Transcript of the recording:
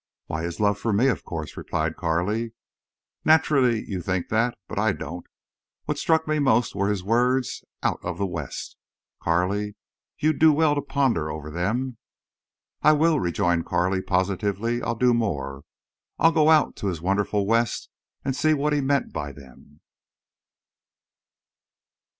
"Why, his love for me, of course!" replied Carley. "Naturally you think that. But I don't. What struck me most were his words, 'out of the West.' Carley, you'd do well to ponder over them." "I will," rejoined Carley, positively. "I'll do more. I'll go out to his wonderful West and see what he meant by them."